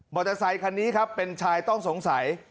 เตอร์ไซคันนี้ครับเป็นชายต้องสงสัย